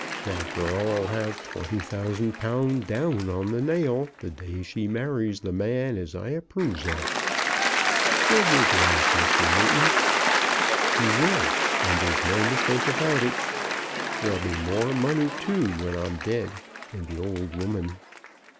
"That girl 'll have twenty thousand pound, down on the nail, the day she marries the man as I approves of. Fill your glass, Mr. Newton. She will; and there's no mistake about it. There'll be more money too, when I'm dead, and the old woman."